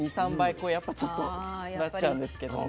こうやっぱちょっとなっちゃうんですけどね。